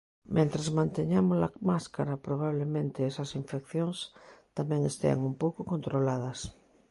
Mentres manteñamos a máscara, probablemente esas infeccións tamén estean un pouco controladas.